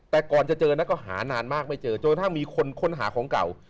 แต่ก่อนจะเจอน่ะก็หานานมากไม่เจอจนถ้ามีคนหาของเก่า